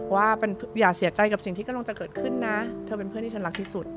ว่าอย่าเสียใจกับสิ่งที่กำลังจะเกิดขึ้นนะเธอเป็นเพื่อนที่ฉันรักที่สุด